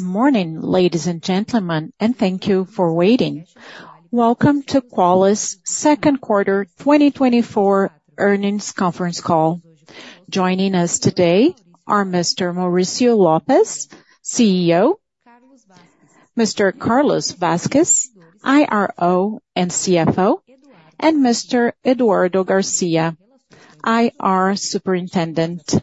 Good morning, ladies and gentlemen, and thank you for waiting. Welcome to Quali's Second Quarter 2024 earnings conference call. Joining us today are Mr. Maurício Lopes, CEO, Mr. Carlos Vasques, IRO and CFO, and Mr. Eduardo Garcia, IR Superintendent.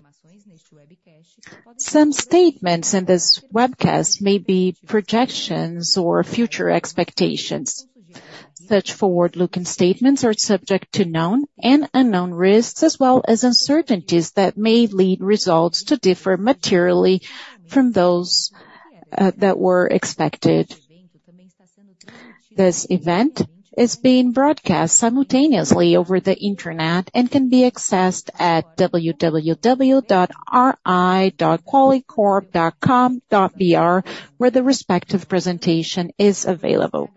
Some statements in this webcast may be projections or future expectations. Such forward-looking statements are subject to known and unknown risks, as well as uncertainties that may lead results to differ materially from those that were expected. This event is being broadcast simultaneously over the Internet and can be accessed at www.ri.qualicorp.com.br, where the respective presentation is available.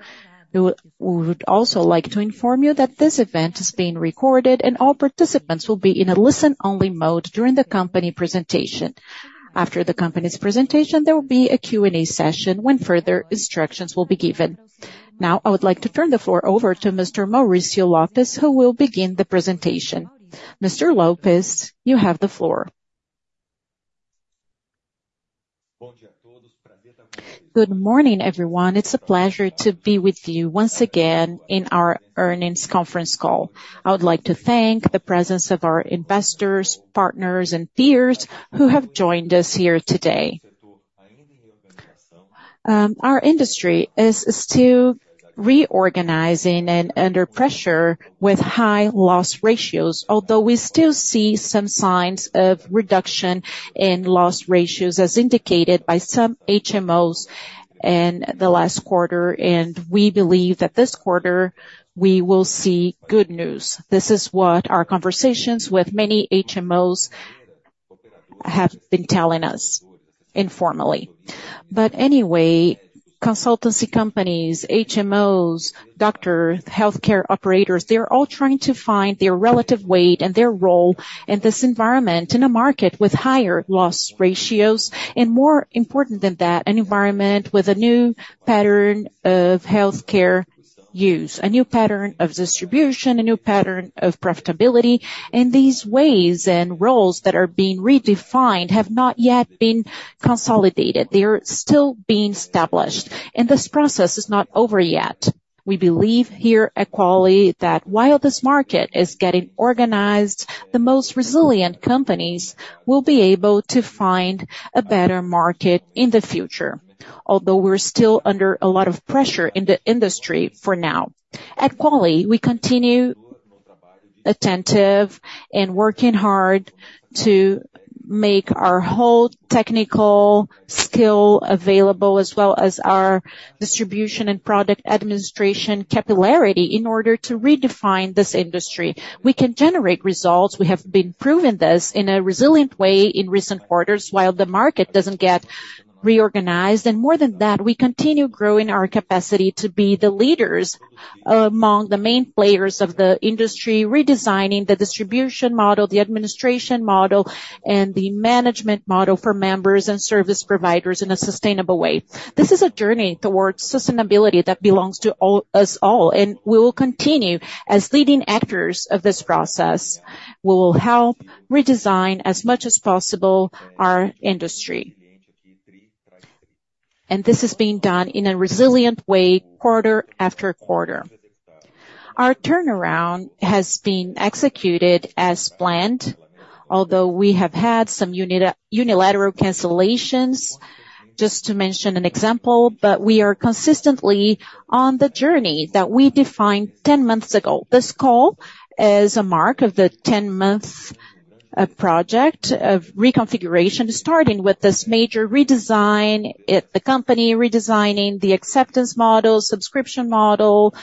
We would also like to inform you that this event is being recorded, and all participants will be in a listen-only mode during the company presentation. After the company's presentation, there will be a Q&A session when further instructions will be given. Now, I would like to turn the floor over to Mr. Maurício Lopes, who will begin the presentation. Mr. Lopes, you have the floor. Good morning, everyone. It's a pleasure to be with you once again in our earnings conference call. I would like to thank the presence of our investors, partners and peers who have joined us here today. Our industry is still reorganizing and under pressure with high loss ratios, although we still see some signs of reduction in loss ratios, as indicated by some HMOs in the last quarter, and we believe that this quarter we will see good news. This is what our conversations with many HMOs have been telling us informally. But anyway, consultancy companies, HMOs, doctors, healthcare operators, they're all trying to find their relative weight and their role in this environment, in a market with higher loss ratios. More important than that, an environment with a new pattern of healthcare use, a new pattern of distribution, a new pattern of profitability. These ways and roles that are being redefined have not yet been consolidated. They are still being established, and this process is not over yet. We believe here at Quali, that while this market is getting organized, the most resilient companies will be able to find a better market in the future, although we're still under a lot of pressure in the industry for now. At Quali, we continue attentive and working hard to make our whole technical skill available, as well as our distribution and product administration capillarity, in order to redefine this industry. We can generate results. We have been proving this in a resilient way in recent quarters while the market doesn't get reorganized. And more than that, we continue growing our capacity to be the leaders among the main players of the industry, redesigning the distribution model, the administration model and the management model for members and service providers in a sustainable way. This is a journey towards sustainability that belongs to all of us all, and we will continue as leading actors of this process. We will help redesign, as much as possible, our industry. And this is being done in a resilient way, quarter after quarter. Our turnaround has been executed as planned, although we have had some unilateral cancellations, just to mention an example, but we are consistently on the journey that we defined ten months ago. This call is a mark of the 10-month project of reconfiguration, starting with this major redesign at the company, redesigning the acceptance model, subscription model,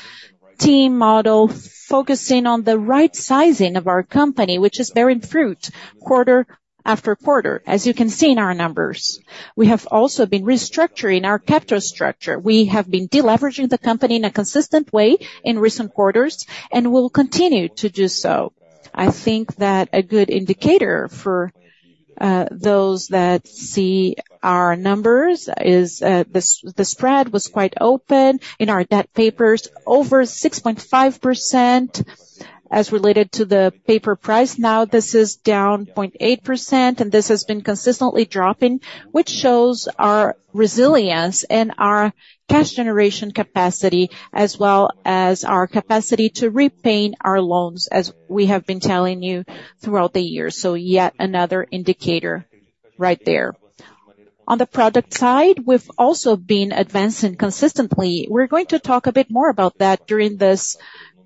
team model, focusing on the right sizing of our company, which is bearing fruit quarter after quarter, as you can see in our numbers. We have also been restructuring our capital structure. We have been deleveraging the company in a consistent way in recent quarters and will continue to do so. I think that a good indicator for those that see our numbers is the spread was quite open in our debt papers, over 6.5% as related to the paper price. Now, this is down 0.8%, and this has been consistently dropping, which shows our resilience and our cash generation capacity, as well as our capacity to repaying our loans, as we have been telling you throughout the year. So yet another indicator right there. On the product side, we've also been advancing consistently. We're going to talk a bit more about that during this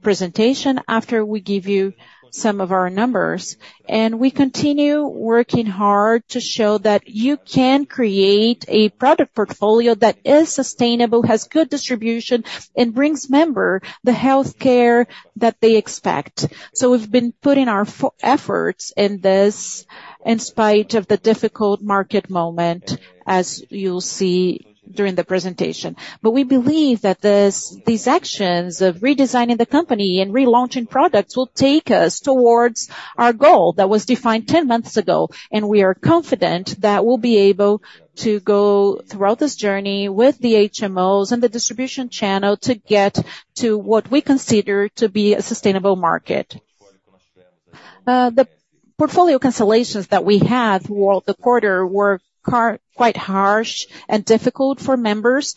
presentation, after we give you some of our numbers. We continue working hard to show that you can create a product portfolio that is sustainable, has good distribution, and brings members the healthcare that they expect. So we've been putting our efforts in this, in spite of the difficult market moment, as you'll see during the presentation. But we believe that these actions of redesigning the company and relaunching products will take us towards our goal that was defined 10 months ago, and we are confident that we'll be able to go throughout this journey with the HMOs and the distribution channel to get to what we consider to be a sustainable market. The portfolio cancellations that we had throughout the quarter were quite harsh and difficult for members.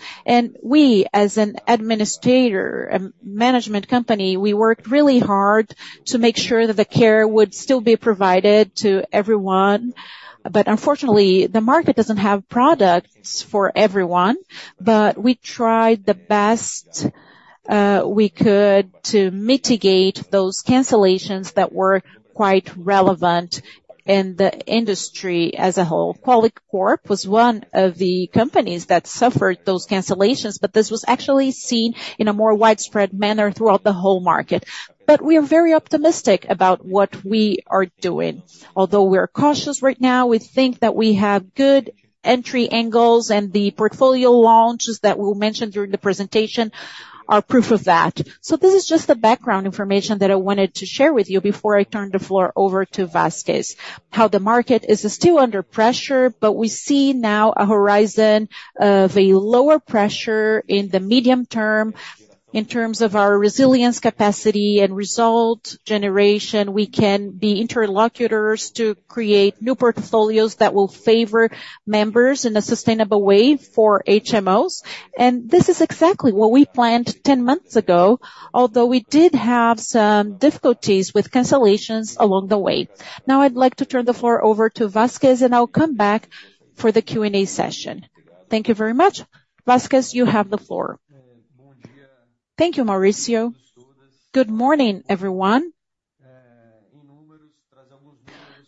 We, as an administrator, management company, worked really hard to make sure that the care would still be provided to everyone. Unfortunately, the market doesn't have products for everyone. We tried the best we could to mitigate those cancellations that were quite relevant in the industry as a whole. Qualicorp was one of the companies that suffered those cancellations, but this was actually seen in a more widespread manner throughout the whole market. But we are very optimistic about what we are doing. Although we are cautious right now, we think that we have good entry angles, and the portfolio launches that we'll mention during the presentation are proof of that. So this is just the background information that I wanted to share with you before I turn the floor over to Vasques. How the market is still under pressure, but we see now a horizon of a lower pressure in the medium term. In terms of our resilience, capacity and result generation, we can be interlocutors to create new portfolios that will favor members in a sustainable way for HMOs. This is exactly what we planned 10 months ago, although we did have some difficulties with cancellations along the way. Now I'd like to turn the floor over to Vasques, and I'll come back for the Q&A session. Thank you very much. Vasques, you have the floor. Thank you, Maurício. Good morning, everyone.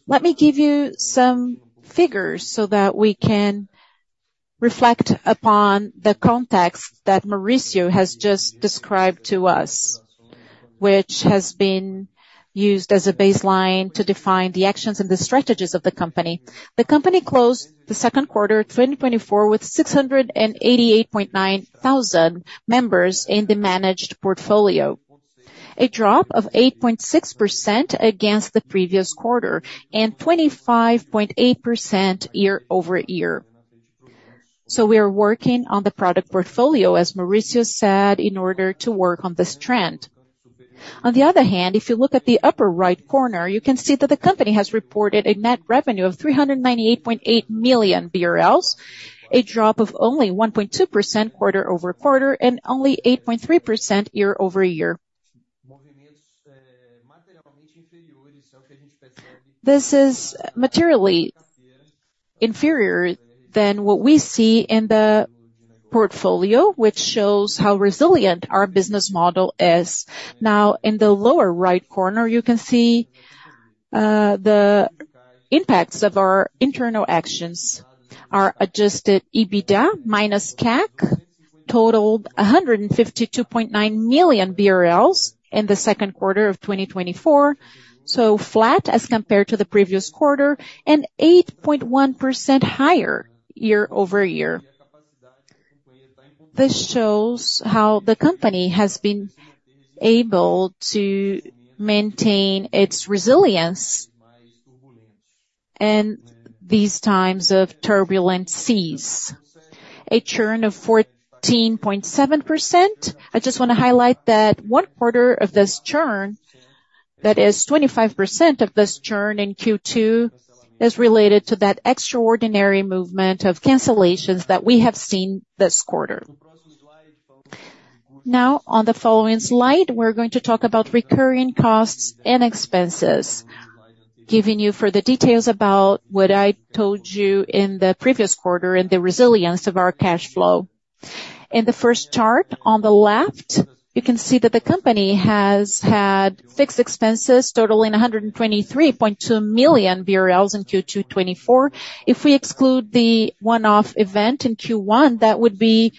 Let me give you some figures so that we can reflect upon the context that Maurício has just described to us, which has been used as a baseline to define the actions and the strategies of the company. The company closed the second quarter of 2024 with 688.9 thousand members in the managed portfolio, a drop of 8.6% against the previous quarter, and 25.8% year-over-year. We are working on the product portfolio, as Maurício said, in order to work on this trend. On the other hand, if you look at the upper right corner, you can see that the company has reported a net revenue of 398.8 million BRL, a drop of only 1.2% quarter-over-quarter and only 8.3% year-over-year. This is materially inferior than what we see in the portfolio, which shows how resilient our business model is. Now, in the lower right corner, you can see the impacts of our internal actions. Our adjusted EBITDA minus CAC totaled 152.9 million BRL in the second quarter of 2024, so flat as compared to the previous quarter and 8.1% higher year-over-year. This shows how the company has been able to maintain its resilience in these times of turbulent seas. A churn of 14.7%. I just wanna highlight that one quarter of this churn, that is 25% of this churn in Q2, is related to that extraordinary movement of cancellations that we have seen this quarter. Now, on the following slide, we're going to talk about recurring costs and expenses, giving you further details about what I told you in the previous quarter and the resilience of our cash flow. In the first chart on the left, you can see that the company has had fixed expenses totaling 123.2 million BRL in Q2 2024. If we exclude the one-off event in Q1, that would be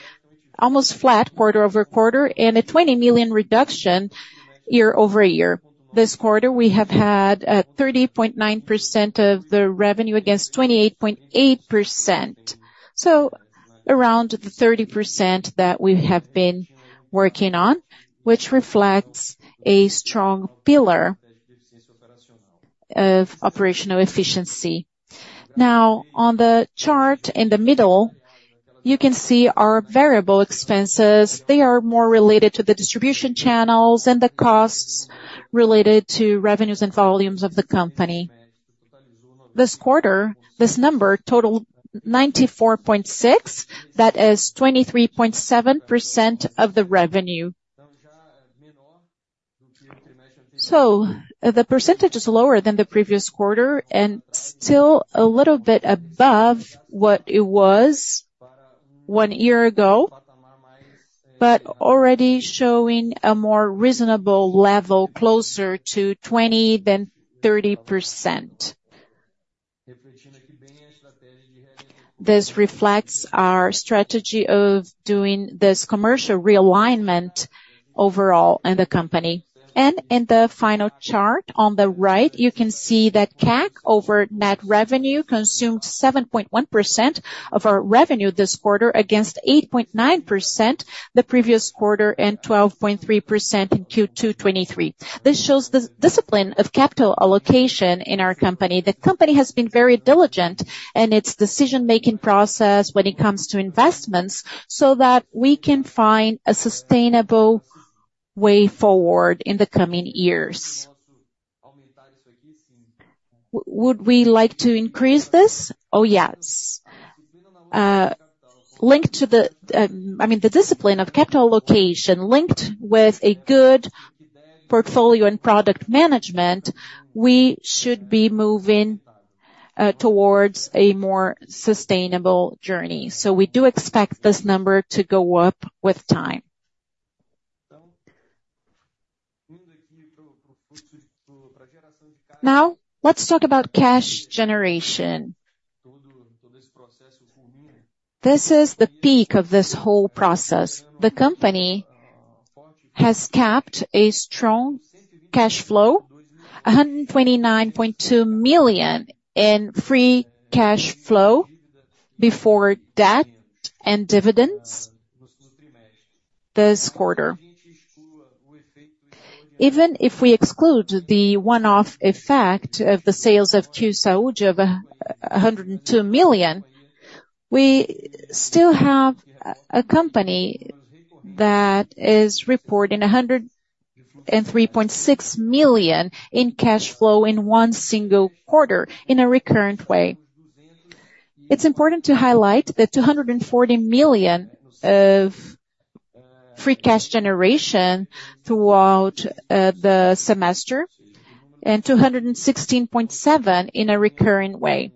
almost flat quarter-over-quarter and a 20 million reduction year-over-year. This quarter, we have had 30.9% of the revenue against 28.8%. So around the 30% that we have been working on, which reflects a strong pillar of operational efficiency. Now, on the chart in the middle, you can see our variable expenses. They are more related to the distribution channels and the costs related to revenues and volumes of the company. This quarter, this number totaled 94.6, that is 23.7% of the revenue. So the percentage is lower than the previous quarter and still a little bit above what it was one year ago, but already showing a more reasonable level, closer to 20% than 30%. This reflects our strategy of doing this commercial realignment overall in the company. And in the final chart on the right, you can see that CAC over net revenue consumed 7.1% of our revenue this quarter, against 8.9% the previous quarter and 12.3% in Q2 2023. This shows the discipline of capital allocation in our company. The company has been very diligent in its decision-making process when it comes to investments, so that we can find a sustainable way forward in the coming years. Would we like to increase this? Oh, yes. Linked to the, I mean, the discipline of capital allocation linked with a good portfolio and product management, we should be moving towards a more sustainable journey. So we do expect this number to go up with time. Now, let's talk about cash generation. This is the peak of this whole process. The company has kept a strong cash flow, 129.2 million in free cash flow before debt and dividends this quarter. Even if we exclude the one-off effect of the sales of QSaúde of 102 million, we still have a company that is reporting 103.6 million in cash flow in one single quarter in a recurrent way. It's important to highlight the 240 million of free cash generation throughout the semester, and 216.7 million in a recurring way.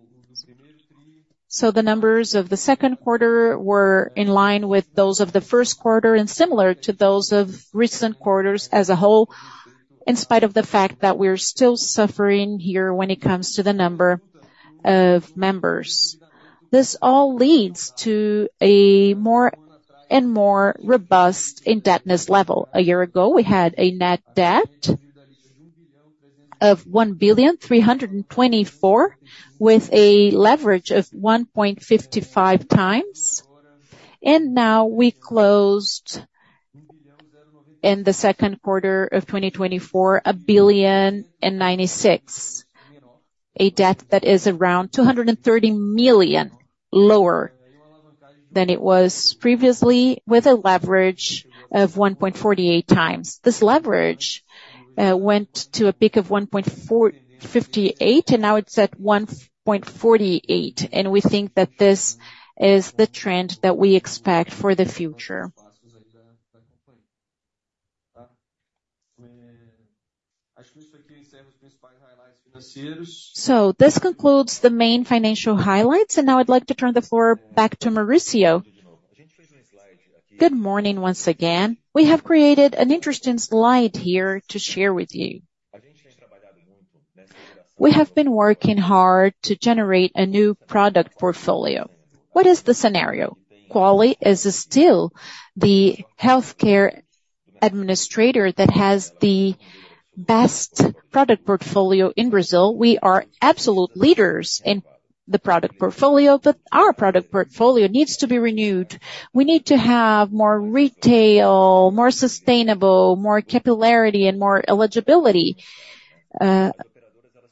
So the numbers of the second quarter were in line with those of the first quarter, and similar to those of recent quarters as a whole, in spite of the fact that we're still suffering here when it comes to the number of members. This all leads to a more and more robust indebtedness level. A year ago, we had a net debt of 1.324 billion, with a leverage of 1.55x. Now we closed in the second quarter of 2024, 1.096 billion, a debt that is around 230 million lower than it was previously, with a leverage of 1.48x. This leverage went to a peak of 1.58x, and now it's at 1.48x, and we think that this is the trend that we expect for the future. This concludes the main financial highlights, and now I'd like to turn the floor back to Maurício. Good morning once again. We have created an interesting slide here to share with you. We have been working hard to generate a new product portfolio. What is the scenario? Quali is still the healthcare administrator that has the best product portfolio in Brazil. We are absolute leaders in the product portfolio, but our product portfolio needs to be renewed. We need to have more retail, more sustainable, more capillarity, and more eligibility,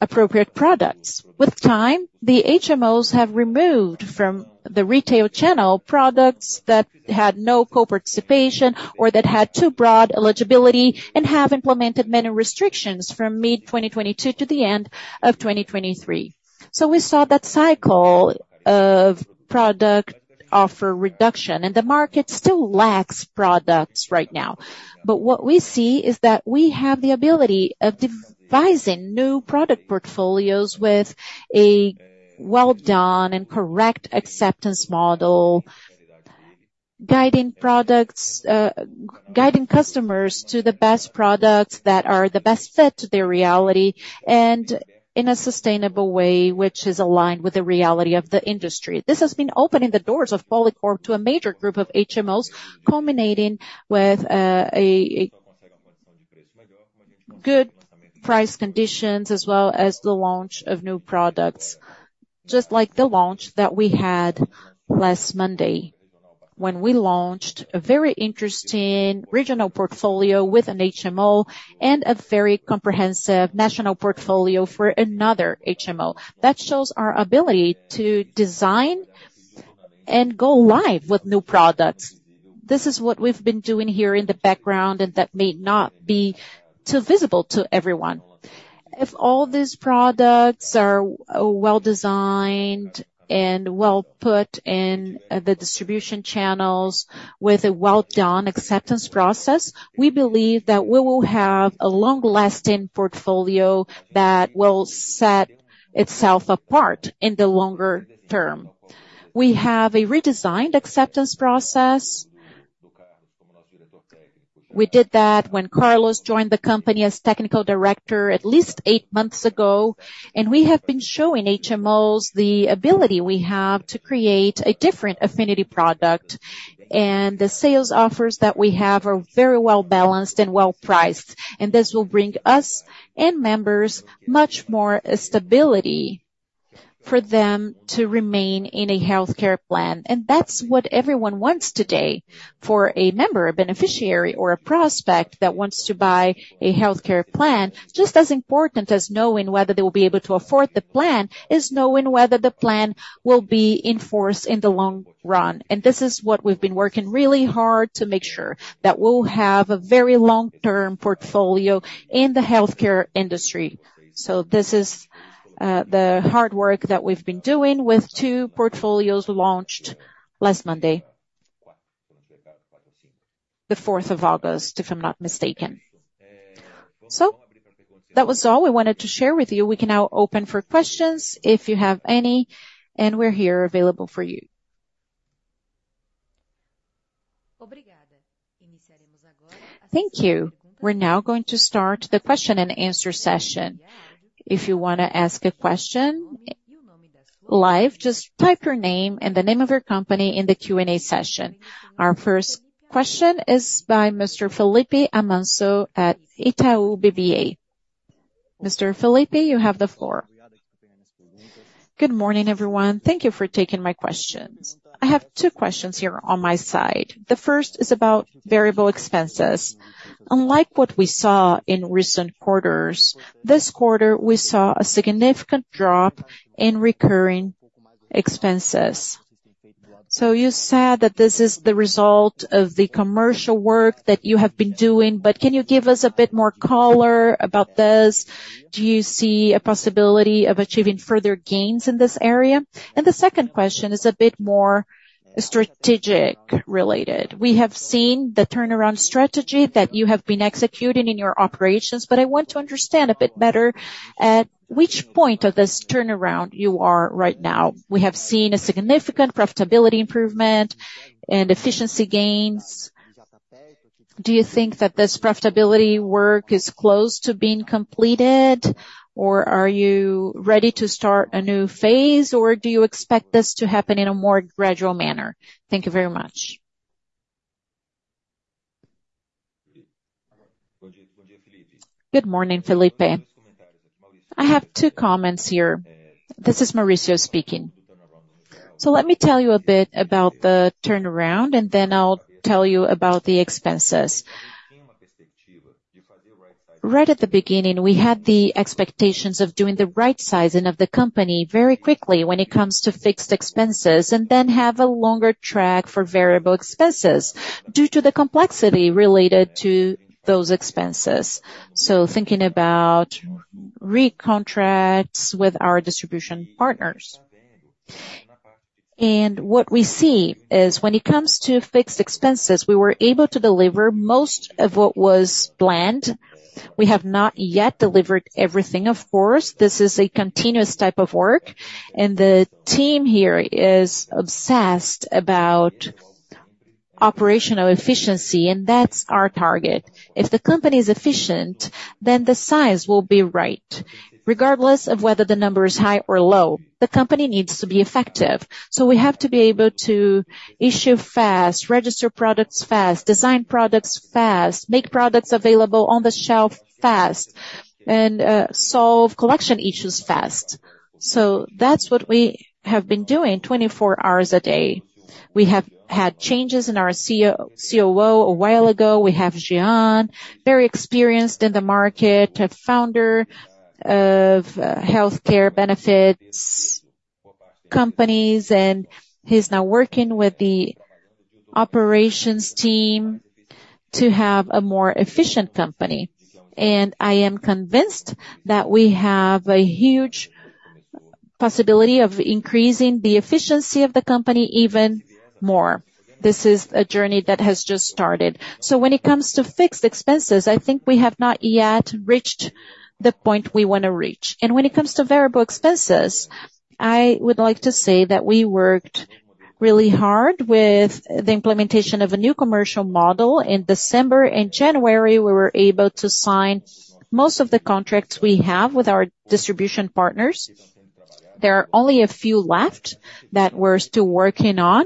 appropriate products. With time, the HMOs have removed from the retail channel, products that had no co-participation or that had too broad eligibility, and have implemented many restrictions from mid-2022 to the end of 2023. So we saw that cycle of product offer reduction, and the market still lacks products right now. But what we see is that we have the ability of devising new product portfolios with a well-done and correct acceptance model, guiding products, guiding customers to the best products that are the best fit to their reality, and in a sustainable way, which is aligned with the reality of the industry. This has been opening the doors of Qualicorp to a major group of HMOs, culminating with good price conditions, as well as the launch of new products. Just like the launch that we had last Monday, when we launched a very interesting regional portfolio with an HMO, and a very comprehensive national portfolio for another HMO. That shows our ability to design and go live with new products. This is what we've been doing here in the background, and that may not be too visible to everyone. If all these products are well-designed and well put in the distribution channels with a well-done acceptance process, we believe that we will have a long-lasting portfolio that will set itself apart in the longer term. We have a redesigned acceptance process. We did that when Carlos joined the company as technical director at least eight months ago, and we have been showing HMOs the ability we have to create a different affinity product. And the sales offers that we have are very well-balanced and well-priced, and this will bring us and members much more stability for them to remain in a healthcare plan. And that's what everyone wants today. For a member, a beneficiary or a prospect that wants to buy a healthcare plan, just as important as knowing whether they will be able to afford the plan, is knowing whether the plan will be in force in the long run. And this is what we've been working really hard to make sure, that we'll have a very long-term portfolio in the healthcare industry. So this is the hard work that we've been doing with two portfolios launched last Monday. The fourth of August, if I'm not mistaken. So that was all we wanted to share with you. We can now open for questions, if you have any, and we're here available for you. Thank you. We're now going to start the question and answer session. If you wanna ask a question live, just type your name and the name of your company in the Q&A session. Our first question is by Mr. Felipe Amancio at Itaú BBA. Mr. Felipe, you have the floor. Good morning, everyone. Thank you for taking my questions. I have two questions here on my side. The first is about variable expenses. Unlike what we saw in recent quarters, this quarter, we saw a significant drop in recurring expenses. So you said that this is the result of the commercial work that you have been doing, but can you give us a bit more color about this? Do you see a possibility of achieving further gains in this area? And the second question is a bit more strategic related. We have seen the turnaround strategy that you have been executing in your operations, but I want to understand a bit better, at which point of this turnaround you are right now? We have seen a significant profitability improvement and efficiency gains. Do you think that this profitability work is close to being completed, or are you ready to start a new phase, or do you expect this to happen in a more gradual manner? Thank you very much. Good morning, Felipe. I have two comments here. This is Maurício speaking. So let me tell you a bit about the turnaround, and then I'll tell you about the expenses. Right at the beginning, we had the expectations of doing the right sizing of the company very quickly when it comes to fixed expenses, and then have a longer track for variable expenses due to the complexity related to those expenses. So thinking about recontracts with our distribution partners. And what we see is when it comes to fixed expenses, we were able to deliver most of what was planned. We have not yet delivered everything, of course. This is a continuous type of work, and the team here is obsessed about operational efficiency, and that's our target. If the company is efficient, then the size will be right. Regardless of whether the number is high or low, the company needs to be effective. So we have to be able to issue fast, register products fast, design products fast, make products available on the shelf fast, and solve collection issues fast. So that's what we have been doing 24 hours a day. We have had changes in our COO a while ago. We have Jean, very experienced in the market, a founder of healthcare benefits companies, and he's now working with the operations team to have a more efficient company. And I am convinced that we have a huge possibility of increasing the efficiency of the company even more. This is a journey that has just started. So when it comes to fixed expenses, I think we have not yet reached the point we wanna reach. And when it comes to variable expenses, I would like to say that we worked really hard with the implementation of a new commercial model. In December and January, we were able to sign most of the contracts we have with our distribution partners. There are only a few left that we're still working on,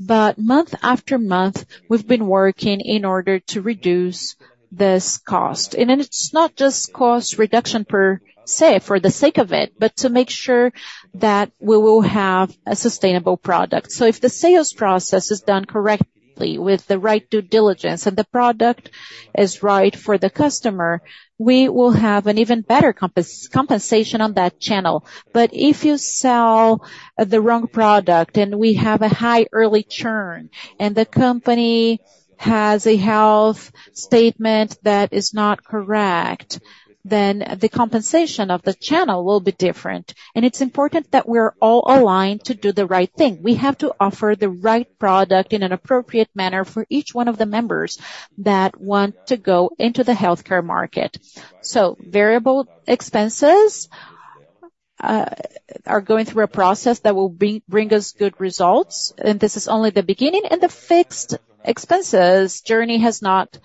but month after month, we've been working in order to reduce this cost. And it's not just cost reduction per se, for the sake of it, but to make sure that we will have a sustainable product. So if the sales process is done correctly, with the right due diligence, and the product is right for the customer, we will have an even better compensation on that channel. But if you sell the wrong product and we have a high early churn, and the company has a health statement that is not correct, then the compensation of the channel will be different. And it's important that we're all aligned to do the right thing. We have to offer the right product in an appropriate manner for each one of the members that want to go into the healthcare market. So variable expenses are going through a process that will bring us good results, and this is only the beginning, and the fixed expenses journey has not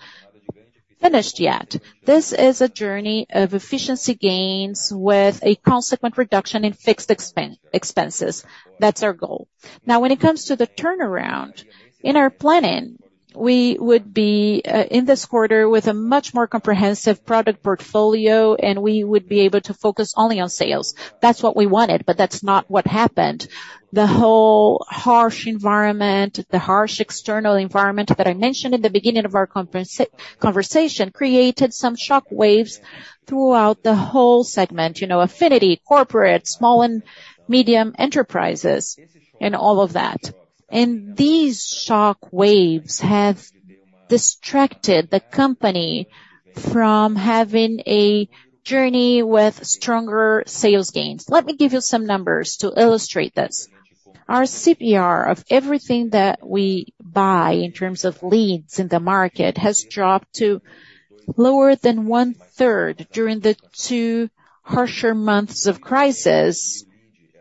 finished yet. This is a journey of efficiency gains with a consequent reduction in fixed expenses. That's our goal. Now, when it comes to the turnaround, in our planning, we would be in this quarter with a much more comprehensive product portfolio, and we would be able to focus only on sales. That's what we wanted, but that's not what happened. The whole harsh environment, the harsh external environment that I mentioned in the beginning of our conversation, created some shock waves throughout the whole segment, you know, affinity, corporate, small and medium enterprises, and all of that. And these shock waves have distracted the company from having a journey with stronger sales gains. Let me give you some numbers to illustrate this. Our CTR of everything that we buy in terms of leads in the market has dropped to lower than one-third during the two harsher months of crisis.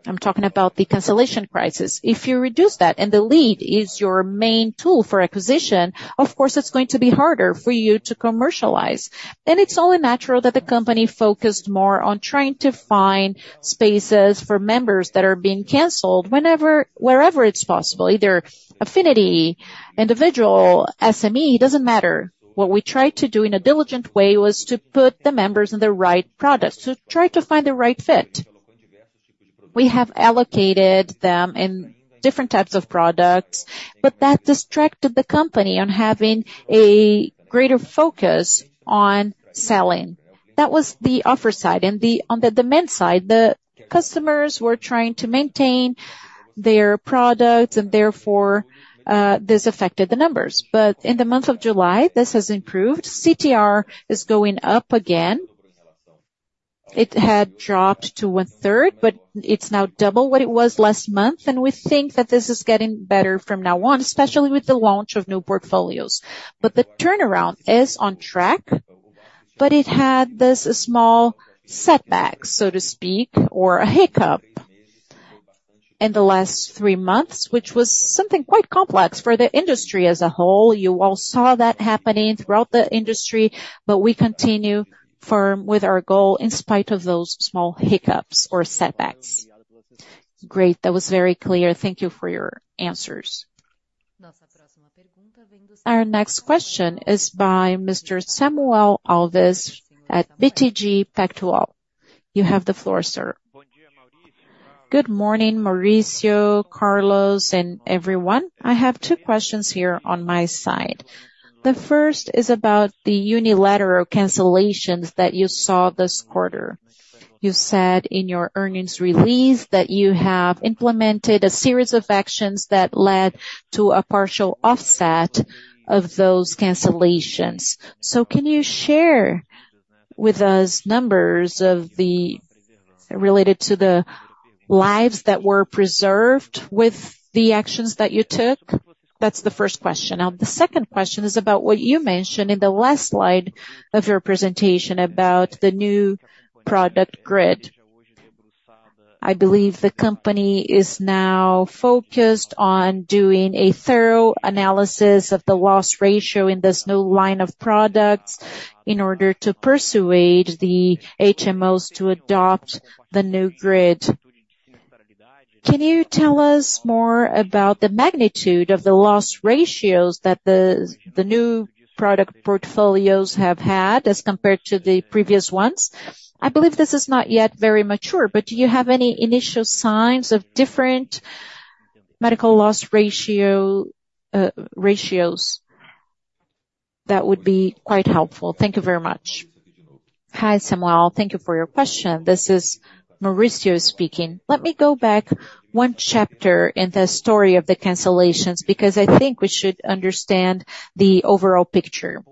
I'm talking about the cancellation crisis. If you reduce that, and the lead is your main tool for acquisition, of course, it's going to be harder for you to commercialize. Then it's only natural that the company focused more on trying to find spaces for members that are being canceled whenever, wherever it's possible, either affinity, individual, SME, it doesn't matter. What we tried to do in a diligent way was to put the members in the right products, to try to find the right fit. We have allocated them in different types of products, but that distracted the company on having a greater focus on selling. That was the offer side. And on the demand side, the customers were trying to maintain their products, and therefore, this affected the numbers. But in the month of July, this has improved. CTR is going up again. It had dropped to one-third, but it's now double what it was last month, and we think that this is getting better from now on, especially with the launch of new portfolios. But the turnaround is on track, but it had this small setback, so to speak, or a hiccup in the last three months, which was something quite complex for the industry as a whole. You all saw that happening throughout the industry, but we continue firm with our goal in spite of those small hiccups or setbacks. Great. That was very clear. Thank you for your answers. Our next question is by Mr. Samuel Alves at BTG Pactual. You have the floor, sir. Good morning, Maurício, Carlos, and everyone. I have two questions here on my side. The first is about the unilateral cancellations that you saw this quarter. You said in your earnings release that you have implemented a series of actions that led to a partial offset of those cancellations. So can you share with us numbers of the related to the lives that were preserved with the actions that you took? That's the first question. Now, the second question is about what you mentioned in the last slide of your presentation about the new product grid. I believe the company is now focused on doing a thorough analysis of the loss ratio in this new line of products in order to persuade the HMOs to adopt the new grid. Can you tell us more about the magnitude of the loss ratios that the new product portfolios have had as compared to the previous ones? I believe this is not yet very mature, but do you have any initial signs of different medical loss ratio, ratios? That would be quite helpful. Thank you very much. Hi, Samuel. Thank you for your question. This is Maurício speaking. Let me go back one chapter in the story of the cancellations, because I think we should understand the overall picture.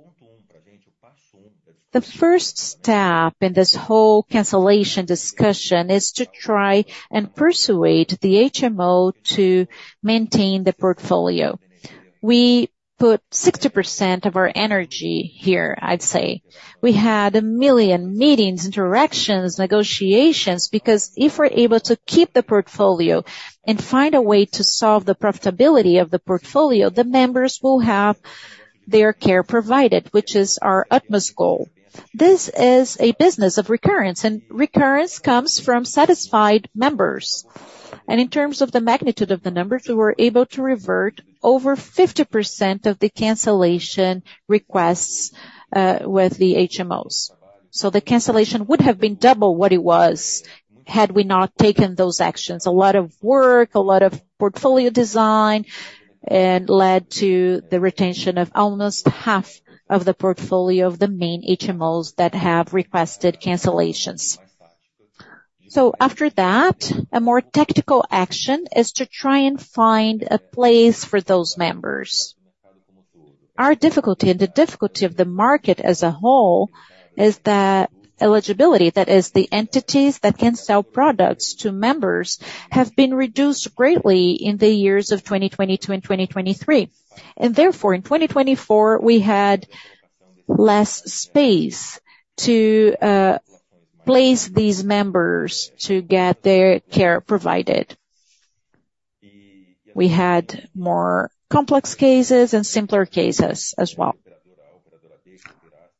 The first step in this whole cancellation discussion is to try and persuade the HMO to maintain the portfolio. We put 60% of our energy here, I'd say. We had a million meetings, interactions, negotiations, because if we're able to keep the portfolio and find a way to solve the profitability of the portfolio, the members will have their care provided, which is our utmost goal. This is a business of recurrence, and recurrence comes from satisfied members. In terms of the magnitude of the numbers, we were able to revert over 50% of the cancellation requests with the HMOs. So the cancellation would have been double what it was had we not taken those actions. A lot of work, a lot of portfolio design, and led to the retention of almost half of the portfolio of the main HMOs that have requested cancellations. So after that, a more tactical action is to try and find a place for those members. Our difficulty and the difficulty of the market as a whole is that eligibility, that is, the entities that can sell products to members, have been reduced greatly in the years of 2022 and 2023. And therefore, in 2024, we had less space to place these members to get their care provided. We had more complex cases and simpler cases as well.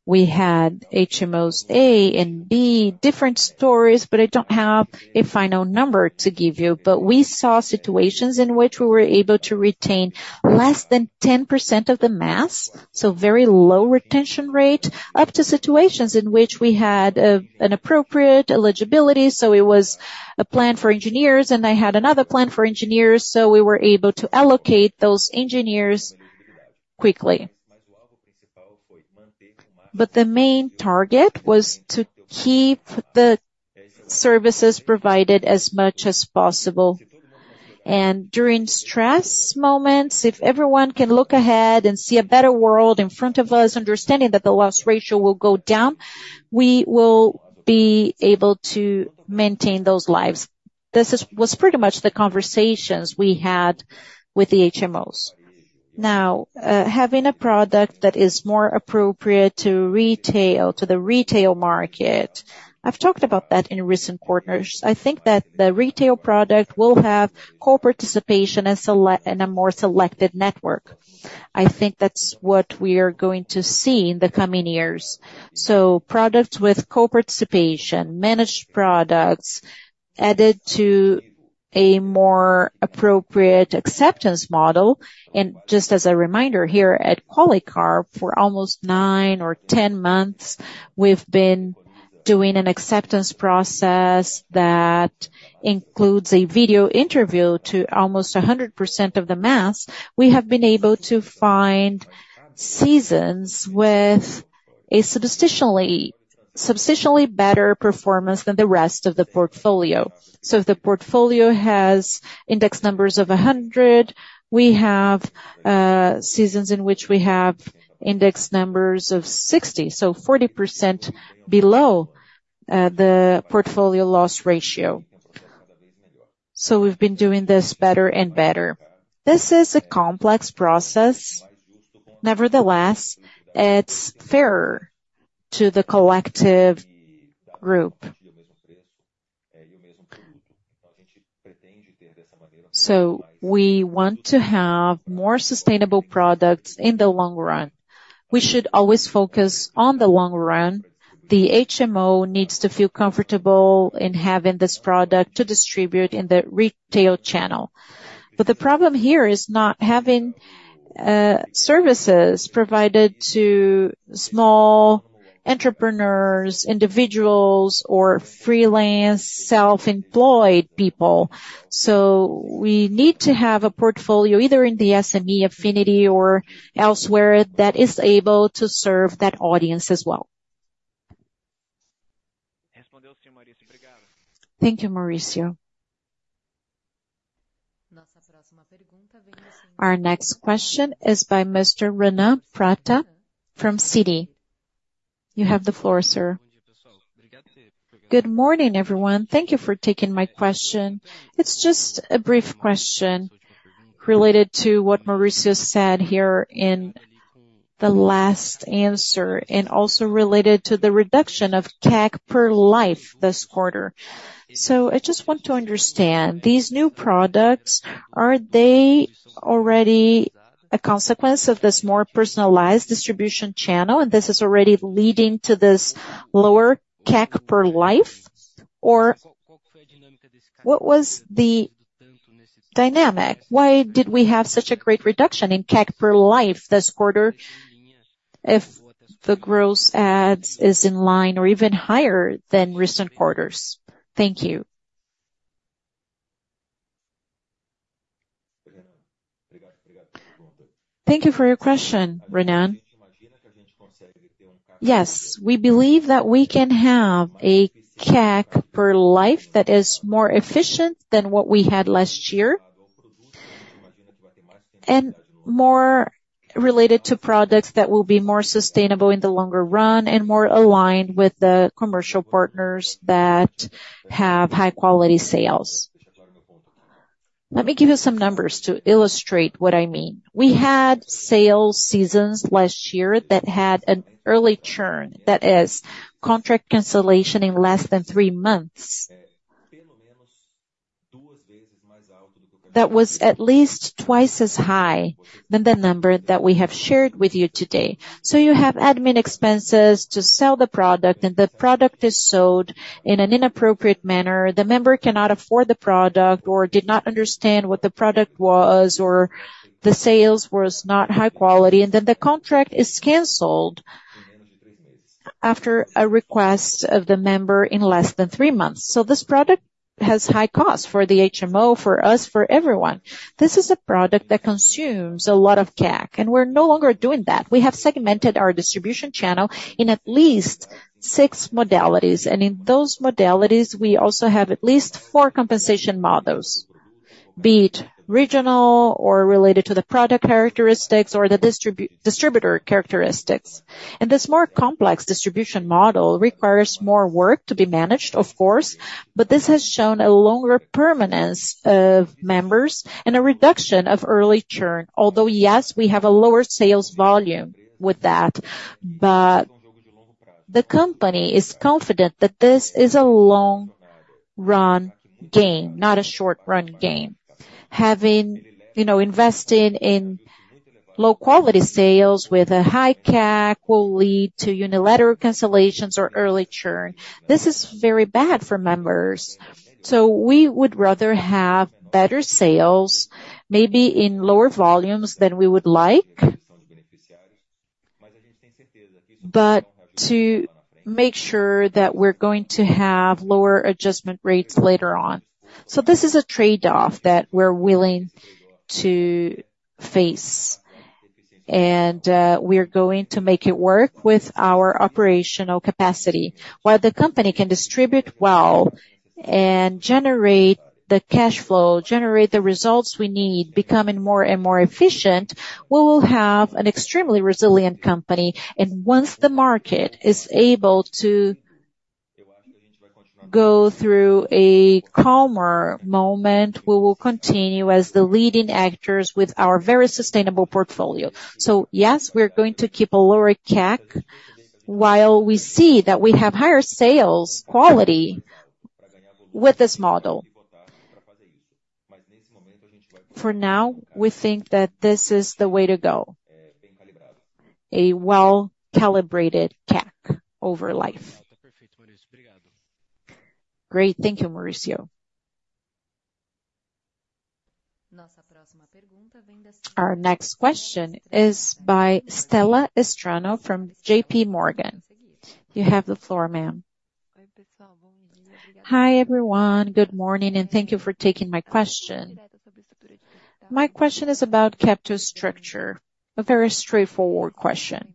We had HMOs A and B, different stories, but I don't have a final number to give you. But we saw situations in which we were able to retain less than 10% of the mass, so very low retention rate, up to situations in which we had an appropriate eligibility. So it was a plan for engineers, and I had another plan for engineers, so we were able to allocate those engineers quickly. But the main target was to keep the services provided as much as possible. And during stress moments, if everyone can look ahead and see a better world in front of us, understanding that the loss ratio will go down, we will be able to maintain those lives. This is, was pretty much the conversations we had with the HMOs. Now, having a product that is more appropriate to retail, to the retail market, I've talked about that in recent quarters. I think that the retail product will have co-participation and selection in a more selected network. I think that's what we are going to see in the coming years. So products with co-participation, managed products, added to a more appropriate acceptance model, and just as a reminder, here at Qualicorp, for almost 9 or 10 months, we've been doing an acceptance process that includes a video interview to almost 100% of the mass. We have been able to find segments with a statistically substantially better performance than the rest of the portfolio. So if the portfolio has index numbers of 100, we have segments in which we have index numbers of 60, so 40% below the portfolio loss ratio. So we've been doing this better and better. This is a complex process. Nevertheless, it's fairer to the collective group. So we want to have more sustainable products in the long run. We should always focus on the long run. The HMO needs to feel comfortable in having this product to distribute in the retail channel. But the problem here is not having services provided to small entrepreneurs, individuals, or freelance, self-employed people. So we need to have a portfolio, either in the SME affinity or elsewhere, that is able to serve that audience as well. Thank you, Maurício. Our next question is by Mr. Renan Prata from Citi. You have the floor, sir. Good morning, everyone. Thank you for taking my question. It's just a brief question related to what Maurício said here in the last answer, and also related to the reduction of CAC per life this quarter. So I just want to understand, these new products, are they already a consequence of this more personalized distribution channel, and this is already leading to this lower CAC per life? Or what was the dynamic? Why did we have such a great reduction in CAC per life this quarter, if the gross adds is in line or even higher than recent quarters? Thank you. Thank you for your question, Renan. Yes, we believe that we can have a CAC per life that is more efficient than what we had last year, and more related to products that will be more sustainable in the longer run, and more aligned with the commercial partners that have high quality sales. Let me give you some numbers to illustrate what I mean. We had sales seasons last year that had an early churn, that is, contract cancellation in less than 3 months. That was at least twice as high than the number that we have shared with you today. So you have admin expenses to sell the product, and the product is sold in an inappropriate manner. The member cannot afford the product or did not understand what the product was, or the sales was not high quality, and then the contract is canceled after a request of the member in less than three months. So this product has high cost for the HMO, for us, for everyone. This is a product that consumes a lot of CAC, and we're no longer doing that. We have segmented our distribution channel in at least six modalities, and in those modalities, we also have at least four compensation models, be it regional or related to the product characteristics or the distributor characteristics. And this more complex distribution model requires more work to be managed, of course, but this has shown a longer permanence of members and a reduction of early churn. Although, yes, we have a lower sales volume with that, but the company is confident that this is a long run game, not a short run game. Having, you know, investing in low quality sales with a high CAC, will lead to unilateral cancellations or early churn. This is very bad for members. So we would rather have better sales, maybe in lower volumes than we would like, but to make sure that we're going to have lower adjustment rates later on. So this is a trade-off that we're willing to face, and, we're going to make it work with our operational capacity. While the company can distribute well and generate the cash flow, generate the results we need, becoming more and more efficient, we will have an extremely resilient company. Once the market is able to go through a calmer moment, we will continue as the leading actors with our very sustainable portfolio. Yes, we're going to keep a lower CAC, while we see that we have higher sales quality with this model. For now, we think that this is the way to go, a well-calibrated CAC over life. Great. Thank you, Maurício. Our next question is by Estela Strano from J.P. Morgan. You have the floor, ma'am. Hi, everyone. Good morning, and thank you for taking my question. My question is about capital structure, a very straightforward question.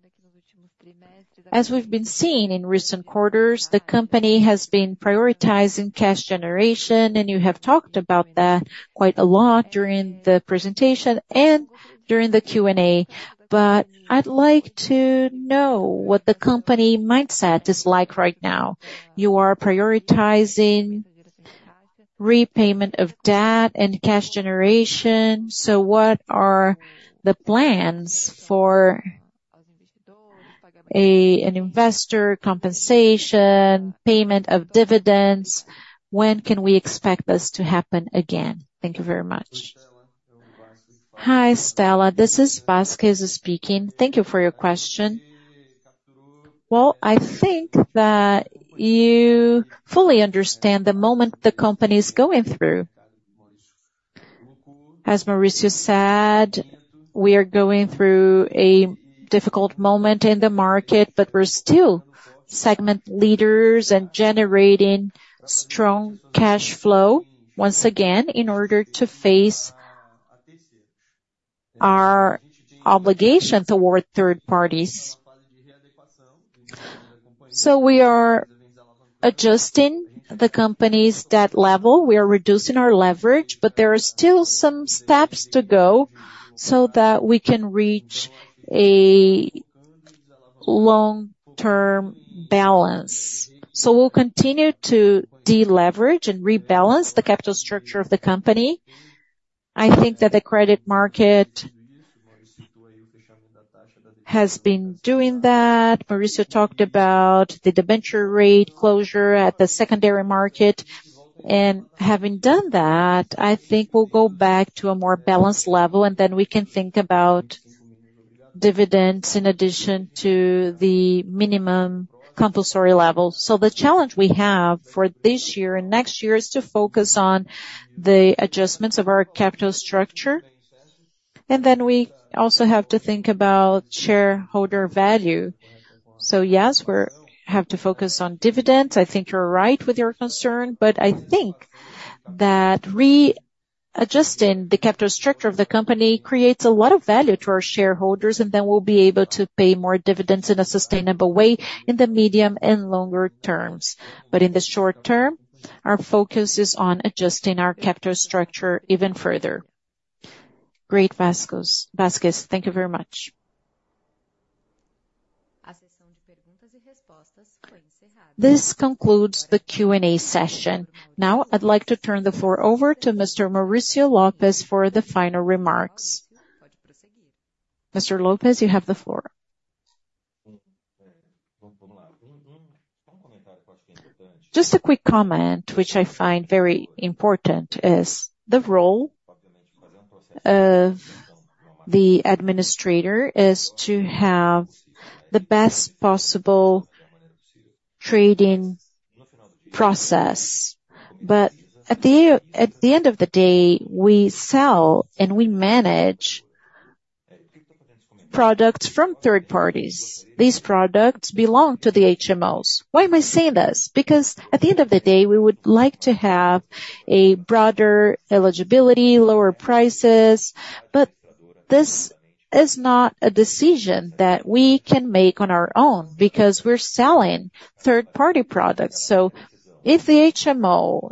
As we've been seeing in recent quarters, the company has been prioritizing cash generation, and you have talked about that quite a lot during the presentation and during the Q&A, but I'd like to know what the company mindset is like right now. You are prioritizing repayment of debt and cash generation, so what are the plans for an investor compensation, payment of dividends? When can we expect this to happen again? Thank you very much. Hi, Estela, this is Vasques speaking. Thank you for your question. Well, I think that you fully understand the moment the company is going through. As Maurício said, we are going through a difficult moment in the market, but we're still segment leaders and generating strong cash flow, once again, in order to face our obligation toward third parties. We are adjusting the company's debt level. We are reducing our leverage, but there are still some steps to go so that we can reach a long-term balance. We'll continue to deleverage and rebalance the capital structure of the company. I think that the credit market has been doing that. Maurício talked about the debenture rate closure at the secondary market, and having done that, I think we'll go back to a more balanced level, and then we can think about dividends in addition to the minimum compulsory level. So the challenge we have for this year and next year is to focus on the adjustments of our capital structure, and then we also have to think about shareholder value. So yes, we have to focus on dividends. I think you're right with your concern, but I think that readjusting the capital structure of the company creates a lot of value to our shareholders, and then we'll be able to pay more dividends in a sustainable way in the medium and longer terms. But in the short term, our focus is on adjusting our capital structure even further. Great, Vasques. Vasques, thank you very much. This concludes the Q&A session. Now, I'd like to turn the floor over to Mr. Maurício Lopes for the final remarks. Mr. Lopes, you have the floor. Just a quick comment, which I find very important, is the role of the administrator is to have the best possible trading process. But at the end of the day, we sell and we manage products from third parties. These products belong to the HMOs. Why am I saying this? Because at the end of the day, we would like to have a broader eligibility, lower prices, but this is not a decision that we can make on our own, because we're selling third-party products. So if the HMO,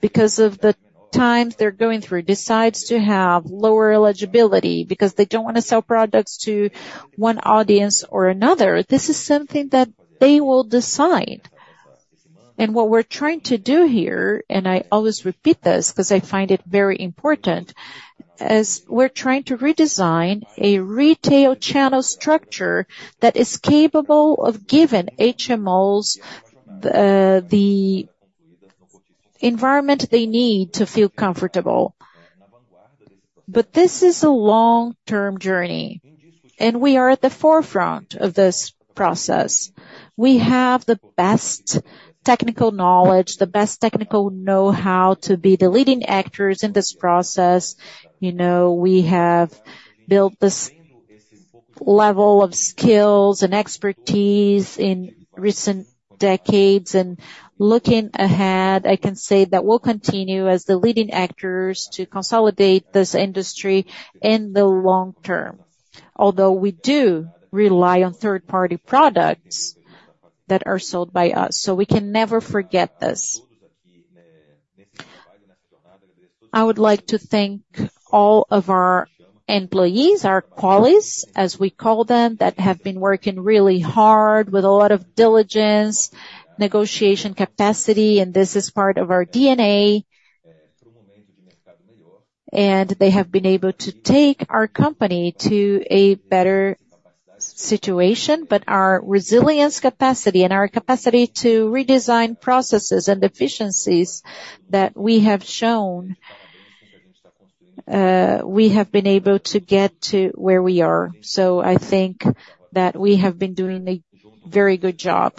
because of the times they're going through, decides to have lower eligibility because they don't want to sell products to one audience or another, this is something that they will decide. And what we're trying to do here, and I always repeat this because I find it very important, is we're trying to redesign a retail channel structure that is capable of giving HMOs the environment they need to feel comfortable. But this is a long-term journey, and we are at the forefront of this process. We have the best technical knowledge, the best technical know-how to be the leading actors in this process. You know, we have built this level of skills and expertise in recent decades, and looking ahead, I can say that we'll continue as the leading actors to consolidate this industry in the long term. Although we do rely on third-party products that are sold by us, so we can never forget this. I would like to thank all of our employees, our Qualis, as we call them, that have been working really hard with a lot of diligence, negotiation capacity, and this is part of our DNA. And they have been able to take our company to a better situation. But our resilience capacity and our capacity to redesign processes and efficiencies that we have shown, we have been able to get to where we are. So I think that we have been doing a very good job.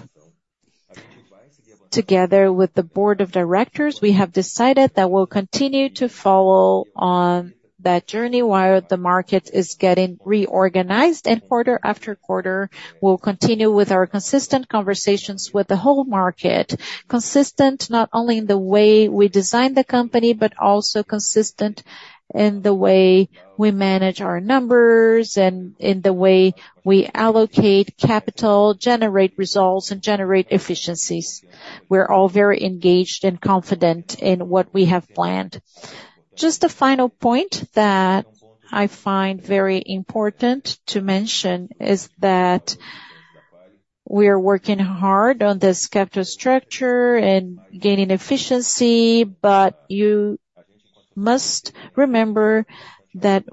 Together with the board of directors, we have decided that we'll continue to follow on that journey while the market is getting reorganized. And quarter after quarter, we'll continue with our consistent conversations with the whole market. Consistent not only in the way we design the company, but also consistent in the way we manage our numbers and in the way we allocate capital, generate results, and generate efficiencies. We're all very engaged and confident in what we have planned. Just a final point that I find very important to mention, is that we are working hard on this capital structure and gaining efficiency, but you must remember that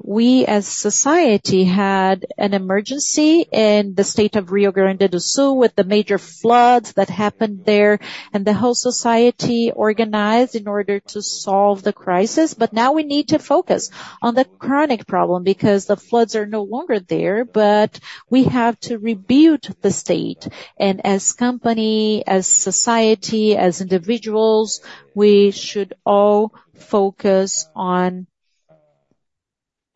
we, as society, had an emergency in the state of Rio Grande do Sul, with the major floods that happened there, and the whole society organized in order to solve the crisis. But now we need to focus on the chronic problem, because the floods are no longer there, but we have to rebuild the state. As company, as society, as individuals, we should all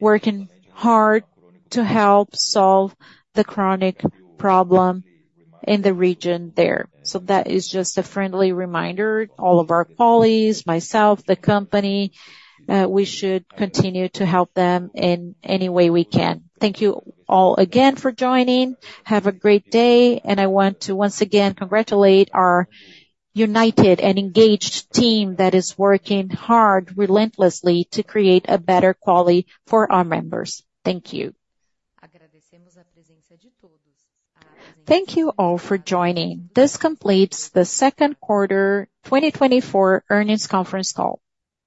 focus on working hard to help solve the chronic problem in the region there. That is just a friendly reminder. All of our Quali, myself, the company, we should continue to help them in any way we can. Thank you all again for joining. Have a great day, and I want to once again congratulate our united and engaged team that is working hard relentlessly to create a better quality for our members. Thank you. Thank you all for joining. This completes the second quarter 2024 earnings conference call.